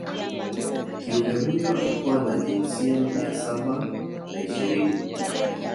kiumbe huyo alikuwa na jinsia mia saba na ishirini